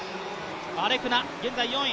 アレクナ現在４位。